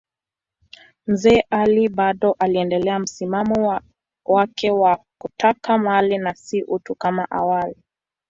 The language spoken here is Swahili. Mzee Ali bado aliendelea msimamo wake wa kutaka mali na si utu kama awali.